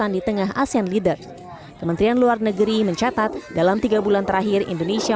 di tengah asean leader kementerian luar negeri mencatat dalam tiga bulan terakhir indonesia